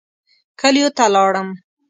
کلیو ته لاړم.